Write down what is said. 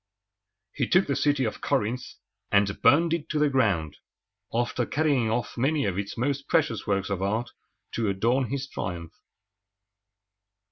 He took the city of Corinth, and burned it to the ground, after carrying off many of its most precious works of art to adorn his triumph.